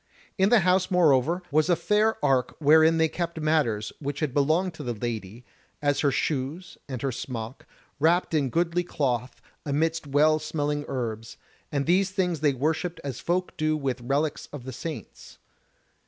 In the house, moreover, was a fair ark wherein they kept matters which had belonged to the Lady, as her shoes and her smock, wrapped in goodly cloth amidst well smelling herbs; and these things they worshipped as folk do with relics of the saints.